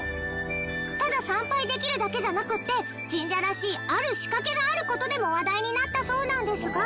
ただ参拝できるだけじゃなくて神社らしいある仕掛けがある事でも話題になったそうなんですが。